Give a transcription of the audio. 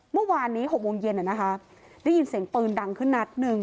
เมื่อวานนี้๖โมงเย็นได้ยินเสียงปืนดังขึ้นนัดหนึ่ง